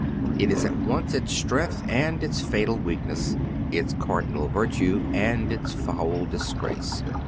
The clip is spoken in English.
It is at once its strength and its fatal weak ness, its cardinal virtue and its foul disgrace.